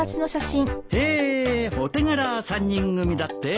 へえお手柄３人組だって。